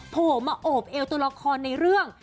โผล่มาโอบเอวตัวละครในเรื่อง